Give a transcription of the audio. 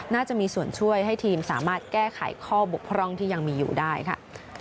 น่าจะมีส่วนช่วยให้ทีมสามารถแก้ไขข้อบกพร่องที่ยังมีอยู่ได้ค่ะ